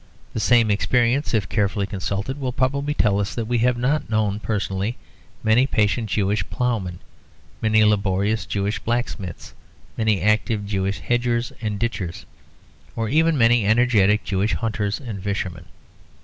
The same experience, if carefully consulted, will probably tell us that we have not known personally many patient Jewish ploughmen, many laborious Jewish blacksmiths, many active Jewish hedgers and ditchers, or even many energetic Jewish hunters and fishermen.